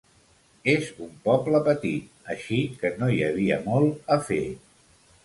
És un poble petit, així que no hi havia molt a fer.